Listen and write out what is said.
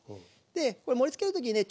で盛りつける時にね